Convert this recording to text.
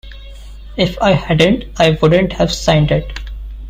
If I hadn't, I wouldn't have signed it.